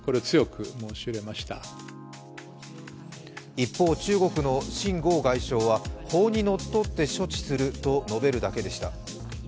一方、中国の秦剛外相は法にのっとって処置すると述べるだけでした。